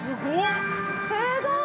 すごーい。